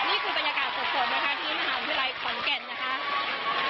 นี่คือบรรยากาศสดนะคะที่มหาวิทยาลัยขอนแก่นนะคะ